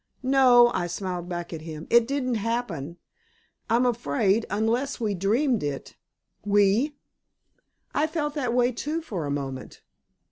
"No," I smiled back at him. "It didn't happen, I'm afraid unless we dreamed it." "We?" "I felt that way, too, for a moment."